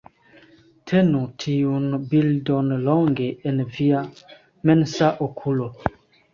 Tenu tiun bildon longe en via mensa okulo